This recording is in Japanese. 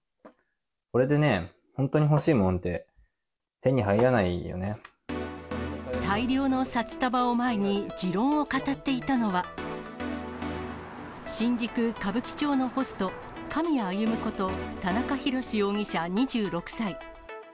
これでね、本当に欲しいものって大量の札束を前に、持論を語っていたのは、新宿・歌舞伎町のホスト、狼谷歩こと、田中裕志容疑者２６歳。